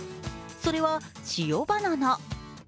それは、塩バナナ。